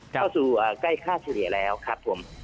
เข้าสู่ใกล้ค่าเฉลี่ยแล้วครับผม